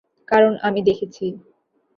কারণ আমি দেখেছি।